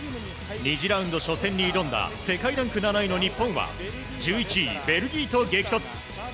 ２次ラウンド初戦に挑んだ世界ランク７位の日本は１１位、ベルギーと激突。